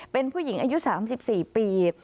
เป็นผู้หญิงอายุ๓๔ปี